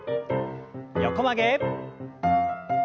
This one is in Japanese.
横曲げ。